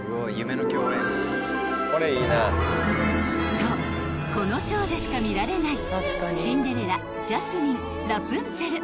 ［そうこのショーでしか見られないシンデレラジャスミンラプンツェル］